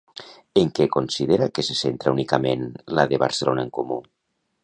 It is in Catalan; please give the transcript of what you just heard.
En què considera que se centra únicament la de Barcelona en Comú?